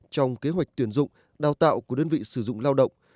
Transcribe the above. trong kế hoạch tuyển dụng đào tạo của đơn vị sử dụng lao động